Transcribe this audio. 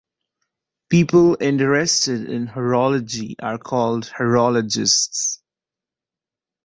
People interested in horology are called "horologists".